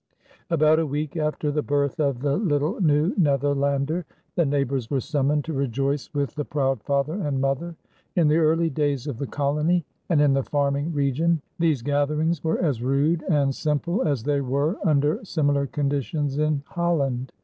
About a week after the birth of the little New Netherlander, the neighbors were summoned to rejoice with the proud father and mother. In the early days of the colony and in the farming region, these gatherings were as rude and simple as they were under similar conditions in Holland.